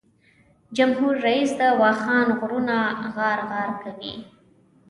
جمهور رییس د واخان غرونه غار غار کوي.